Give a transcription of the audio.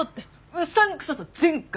うさんくささ全開！